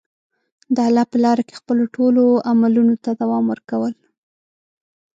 د الله په لاره کې خپلو ټولو عملونو ته دوام ورکول.